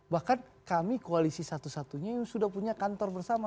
bahkan kami koalisi satu satunya yang sudah punya kantor bersama